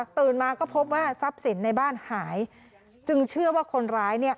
ตื่นมาก็พบว่าทรัพย์สินในบ้านหายจึงเชื่อว่าคนร้ายเนี่ย